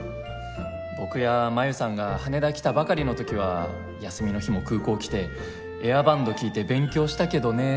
僕や真夢さんが羽田来たばかりの時は休みの日も空港来てエアバンド聞いて勉強したけどね。